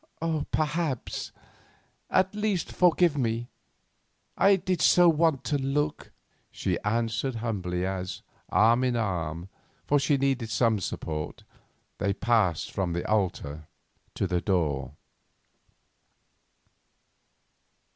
"Perhaps; at least forgive me, I did so want to look," she answered humbly as, arm in arm, for she needed support, they passed from the altar to the door.